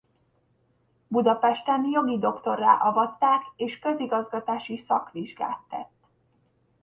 Budapesten jogi doktorrá avatták és közigazgatási szakvizsgát tett.